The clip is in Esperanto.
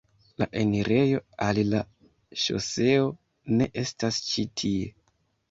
La enirejo al la ŝoseo ne estas ĉi tie.